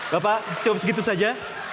bapak cukup segitu saja